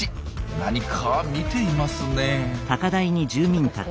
何か見ていますね。